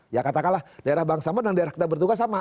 ya katakanlah daerah bangsa menang daerah kita bertugas sama